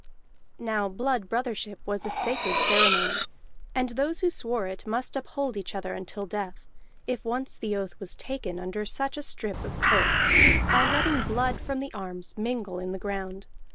Now blood brothership was a sacred ceremony, and those who swore it must uphold each other until death, if once the oath was taken under such a strip of turf, by letting blood from the arms mingle in the ground.